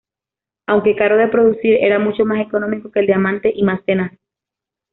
Aunque caro de producir, era mucho más económico que el diamante, y más tenaz.